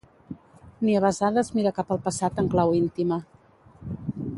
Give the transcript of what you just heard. Ni a besades mira cap al passat en clau íntima.